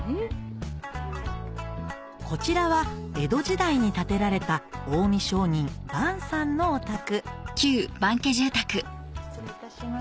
こちらは江戸時代に建てられた近江商人伴さんのお宅失礼いたします。